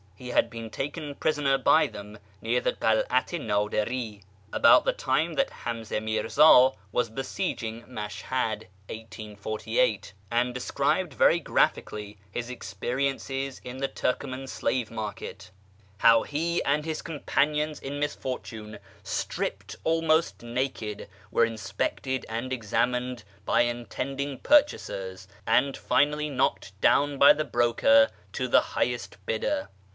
He had been taken prisoner by them near the Karat i Nadiri about the time that Hamze Mirza was besieging Mashhad (1848), and described very graphically his experiences in the Turcoman slave market ; how he and his companions in misfortune, stripped almost naked, were inspected and examined by ntending purchasers, and finally knocked down by the broker .0 the highest bidder.